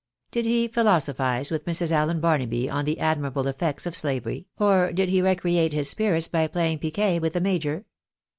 Did he philosophise with Mrs. Allen Barnaby on the admirable effects of slavery, or did he recreate his spirits by playing piquet with the major